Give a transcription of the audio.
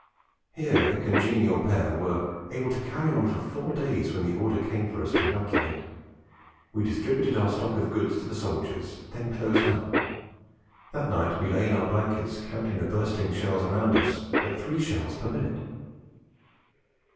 Here the congenial pair 'were able to carry on for four days, when the order came for us to evacuate. We distributed our stock of goods to the soldiers, then closed up. That night we lay in our blankets counting the bursting shells around us at three shells per minute.'